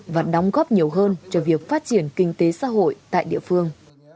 và đóng góp nhiều hơn cho việc phát triển kinh tế xã hội tại địa phương